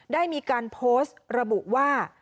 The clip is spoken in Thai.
ได้มีการโพสต์ระบุว่า